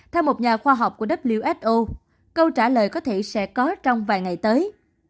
theo một nhà khoa học của who câu trả lời có thể sẽ có trong vài ngày tới